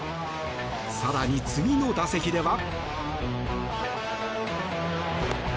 更に次の打席では。